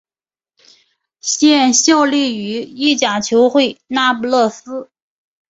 现效力于意甲球会那不勒斯。